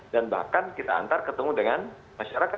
dan bahkan kita antar ketemu dengan masyarakat